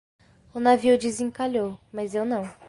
O navio desencalhou, mas eu não